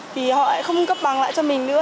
thì họ lại không cấp bằng lại cho mình nữa